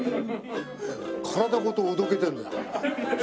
体ごとおどけてるんだよ。